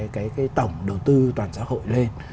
cái tổng đầu tư toàn xã hội lên